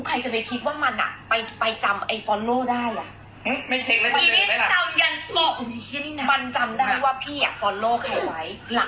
ไอโอเคไม่เข้าทำกันแน่มันจำได้ว่า